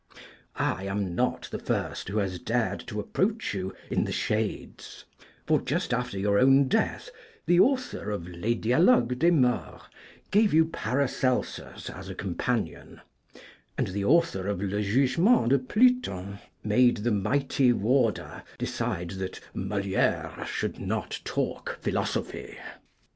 I am not the first who has dared to approach you in the Shades; for just after your own death the author of 'Les Dialogues des Morts' gave you Paracelsus as a companion, and the author of 'Le Jugement de Pluton' made the 'mighty warder' decide that 'Moliére should not talk philosophy.'